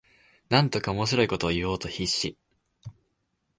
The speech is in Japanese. なんとか面白いことを言おうと必死